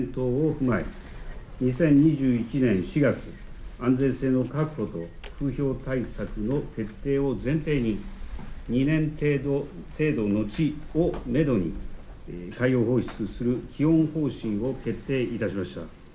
２０２１年４月、安全性の確保と風評対策の徹底を前提に２年程度の後をめどに、海洋放出する基本方針を決定いたしました。